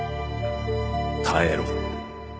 耐えろ